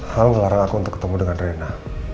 hal ngelarang aku untuk ketemu dengan reina